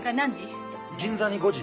銀座に５時。